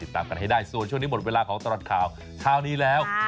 ตามกันให้ได้ส่วนช่วงนี้หมดเวลาของตลอดข่าวเช้านี้แล้ว